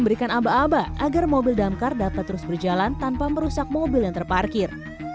mereka pasti memberikan aba aba agar mobil damkar dapat terus berjalan tanpa merusak mobil yang terparkir